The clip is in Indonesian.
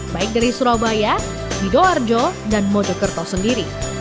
baik dari surabaya sidoarjo dan mojokerto sendiri